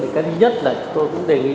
thì cái duy nhất là tôi cũng đề nghị